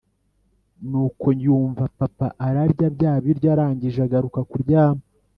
Ni uko yumva papa ararya bya biryo arangije agaruka kuryama.